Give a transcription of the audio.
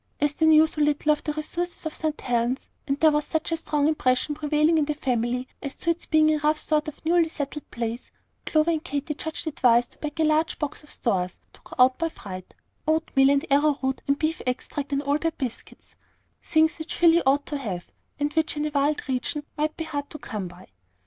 As they knew so little of the resources of St. Helen's, and there was such a strong impression prevailing in the family as to its being a rough sort of newly settled place, Clover and Katy judged it wise to pack a large box of stores to go out by freight: oatmeal and arrowroot and beef extract and Albert biscuits, things which Philly ought to have, and which in a wild region might be hard to come by.